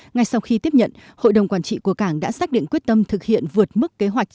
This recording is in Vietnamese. ngay sau khi tiếp nhận hội đồng quản trị của cảng đã xác định quyết tâm thực hiện vượt mức kế hoạch